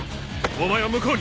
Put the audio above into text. お前は向こうに。